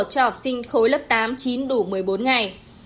cho học sinh khối lớp tám chín đủ một mươi bốn ngày